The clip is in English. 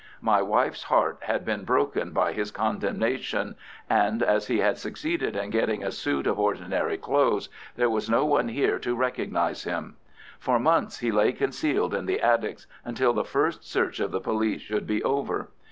My wife's heart had been broken by his condemnation, and as he had succeeded in getting a suit of ordinary clothes, there was no one here to recognize him. For months he lay concealed in the attics until the first search of the police should be over.